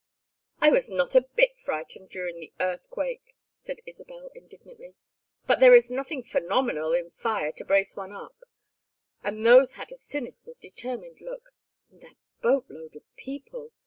"I was not a bit frightened during the earthquake!" said Isabel, indignantly. "But there is nothing phenomenal in fire to brace one up and those had a sinister determined look and that boat load of people!